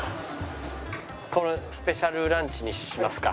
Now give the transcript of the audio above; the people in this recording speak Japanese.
このスペシャルランチにしますか。